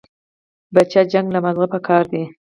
بچيه جنگ له مازغه پکار دي.